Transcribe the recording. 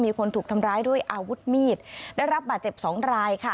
มีคนถูกทำร้ายด้วยอาวุธมีดได้รับบาดเจ็บสองรายค่ะ